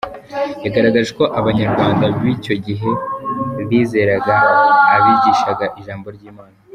Yagaragaje ko abanyarwanda b’icyo gihe bizeraga abigishaga ijambo ry’Imana.